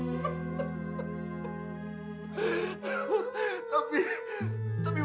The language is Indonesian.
saya harus bekerja sedang sedang kita semua